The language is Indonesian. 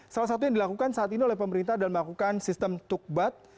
salah satu yang dilakukan saat ini oleh pemerintah adalah melakukan sistem tukbat